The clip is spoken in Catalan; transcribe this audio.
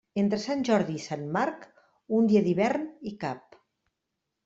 Entre Sant Jordi i Sant Marc un dia d'hivern hi cap.